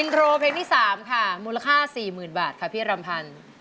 อินโตรเรนนี่สามค่ะมูลค่าสี่หมื่นบาทค่ะพี่รัมพันธุ์